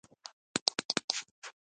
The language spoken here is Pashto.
غبار هغه د انګرېزانو جاسوس باله.